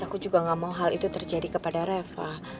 aku juga gak mau hal itu terjadi kepada reva